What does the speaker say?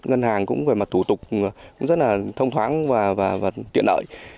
ngân hàng cũng về mặt thủ tục cũng rất là thông thoáng và tiện lợi